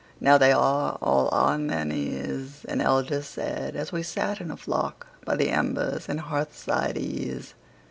"Now they are all on their knees,"An elder said as we sat in a flock By the embers in hearthside ease.